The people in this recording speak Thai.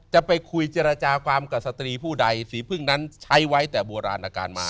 จะไปคุยเจรจาความกับสตรีผู้ใดสีพึ่งนั้นใช้ไว้แต่โบราณอาการมา